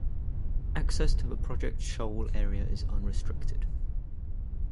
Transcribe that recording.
Access to the Project Shoal Area is unrestricted.